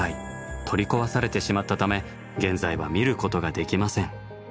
取り壊されてしまったため現在は見ることができません。